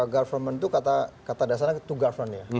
government tuh kata dasarnya to govern ya